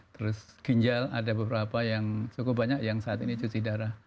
terus ginjal ada beberapa yang cukup banyak yang saat ini cuci darah